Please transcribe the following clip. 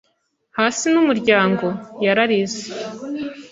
“Hasi n'umuryango!” yararize.